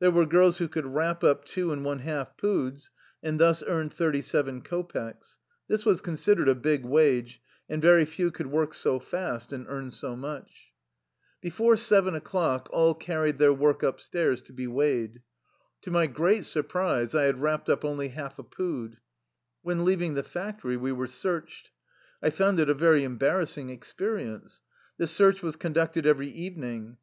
There were girls who could wrap up two and one half poods, and thus earned thirty seven ko pecks. This was considered a big wage, and very few could work so fast and earn so much. 2 A little over thirty six pounds. 48 THE LIFE STOEY OF A EUSSIAN EXILE Before seven o'clock all carried their work upstairs to be weighed. To my great surprise I had wrapped up only half a pood. When leaving the factory we were searched. I found it a very embarrassing experience. This search was conducted every evening.